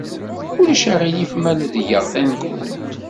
Ulac aɣilif ma ledyeɣ tankult?